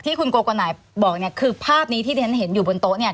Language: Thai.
คุณโกโกนายบอกเนี่ยคือภาพนี้ที่เรียนเห็นอยู่บนโต๊ะเนี่ย